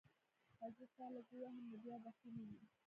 که زه تا لږ ووهم نو بیا به ښه نه وي